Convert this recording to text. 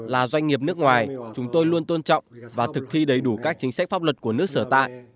là doanh nghiệp nước ngoài chúng tôi luôn tôn trọng và thực thi đầy đủ các chính sách pháp luật của nước sở tại